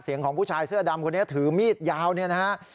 เสียงของผู้ชายเสื้อดำคนนี้ถือมีดยาวนะครับ